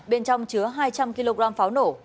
bên trong chứa hai trăm linh kg pháo nổ